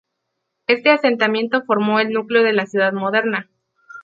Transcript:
Este asentamiento formó el núcleo de la ciudad moderna.